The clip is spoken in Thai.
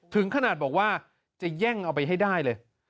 ถึงขนาดบอกว่าจะแย่งเอาไปให้ได้เลย